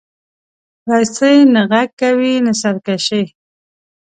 رسۍ نه غږ کوي، نه سرکشي.